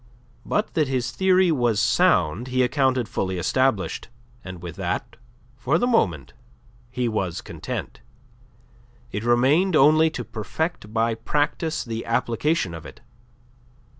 But that his theory was sound he accounted fully established, and with that, for the moment, he was content. It remained only to perfect by practice the application of it.